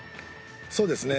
そうですね。